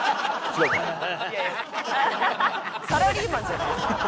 サラリーマンじゃないですか。